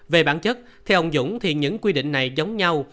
về bản chất theo ông dũng thì những quy định này giống nhau